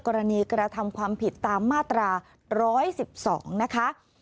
กระทำความผิดตามมาตรา๑๑๒นะคะ